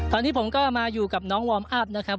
ตอนนี้ผมก็มาอยู่กับน้องวอร์มอัพนะครับ